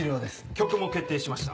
曲も決定しました。